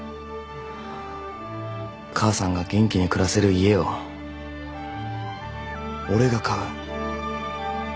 母さんが元気に暮らせる家を俺が買う。